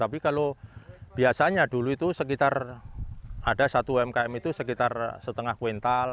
tapi kalau biasanya dulu itu sekitar ada satu umkm itu sekitar setengah kuintal